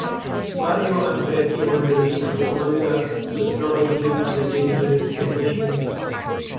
Mario Andretti won the race, with Lauda withdrawing due to the dangerous conditions.